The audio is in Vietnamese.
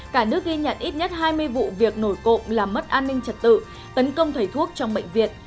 cả nước ghi nhận ít nhất hai mươi vụ việc nổi cộng làm mất an ninh trật tự tấn công thầy thuốc trong bệnh viện